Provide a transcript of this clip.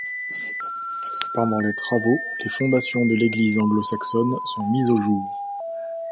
Pendant les travaux les fondations de l'église anglo-saxonne sont mises au jour.